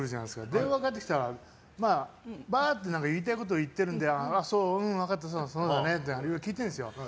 電話がかかってきたらバーって言いたいことを言ってるのでそう、分かったって聞いているんですよ。